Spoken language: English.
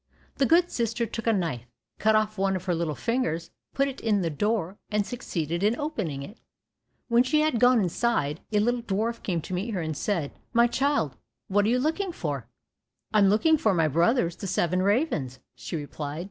The good sister took a knife, cut off one of her little fingers, put it in the door, and succeeded in opening it. When she had gone inside, a little dwarf came to meet her, who said, "My child, what are you looking for?" "I am looking for my brothers, the seven ravens," she replied.